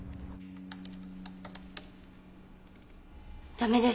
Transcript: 駄目です。